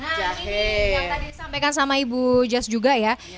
nah ini yang tadi disampaikan sama ibu jazz juga ya